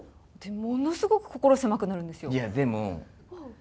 ものすごく心狭くなるんですいやでも。